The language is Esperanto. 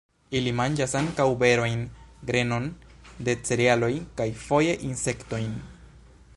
Ili manĝas ankaŭ berojn, grenon de cerealoj kaj foje insektojn.